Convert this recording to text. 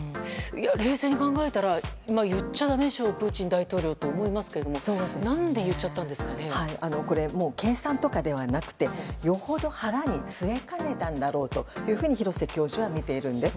冷静に考えたら言っちゃダメでしょうプーチン大統領と思うんですが計算とかではなくてよほど腹に据えかねたんだろうと廣瀬教授はみているんです。